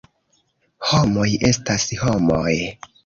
Homoj estas homoj.